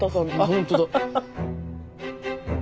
本当だ。